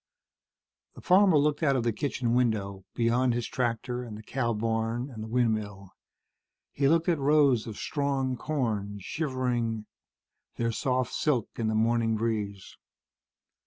The farmer looked out of the kitchen window, beyond his tractor and the cow barn and the windmill. He looked at rows of strong corn, shivering their soft silk in the morning breeze.